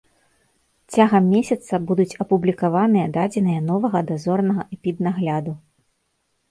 Цягам месяца будуць апублікаваныя дадзеныя новага дазорнага эпіднагляду.